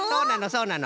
そうなの？